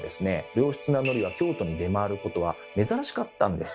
良質なのりは京都に出回ることは珍しかったんです。